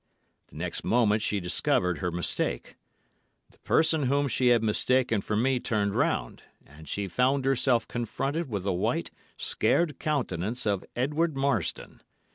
The next moment she discovered her mistake. The person whom she had mistaken for me turned round, and she found herself confronted with the white, scared countenance of Edward Marsdon.